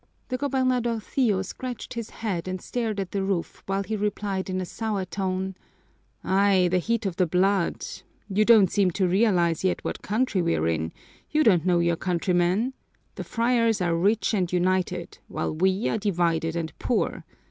The gobernadorcillo scratched his head and stared at the roof while he replied in a sour tone, "Ay! the heat of the blood! You don't seem to realize yet what country we're in, you don't know your countrymen. The friars are rich and united, while we are divided and poor.